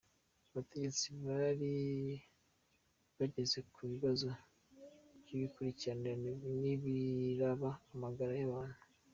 Abategetsi bari bageze ku bibazo vy'abimukira n'ibiraba amagara y'abantu.